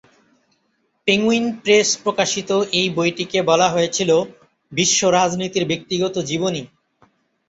Penguin Press প্রকাশিত এই বইটিকে বলা হয়েছিল "বিশ্ব রাজনীতির ব্যক্তিগত জীবনী।"